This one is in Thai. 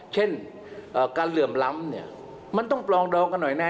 เช่นการเหลื่อมล้ำเนี่ยมันต้องปลองดองกันหน่อยนะ